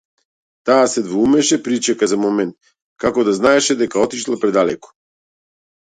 Таа се двоумеше, причека за момент, како да знаеше дека отишла предалеку.